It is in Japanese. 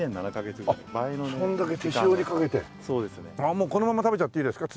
もうこのまま食べちゃっていいですか？